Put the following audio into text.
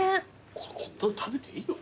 これこんなん食べていいの？